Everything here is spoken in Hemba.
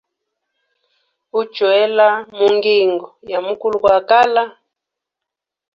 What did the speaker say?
Uchwela mungingo ya mukulu gwa kala.